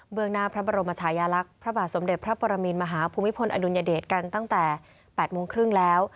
เมืองหน้าพระบรมชายาลักษณ์พระบาทสมเด็จพระปรมินมหาภูมิพลอดุลยเดชกันตั้งแต่๘โมงครึ่งแล้ว